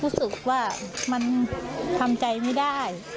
รู้สึกว่ามันทำใจไม่ได้